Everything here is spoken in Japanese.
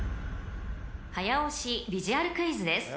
［早押しビジュアルクイズです］